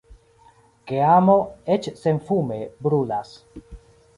Ke amo, eĉ senfume, brulas.